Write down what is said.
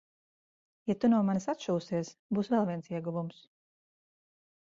Ja tu no manis atšūsies, būs vēl viens ieguvums.